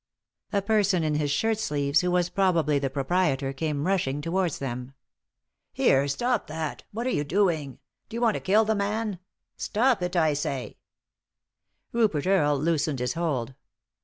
A person in his shirt sleeves, who was probably the proprietor, came rushing towards them. " Here 1 Stop that I What are you doing ? Do you want to kill the man ? Stop it, I say 1 " Rupert Earle loosened his hold.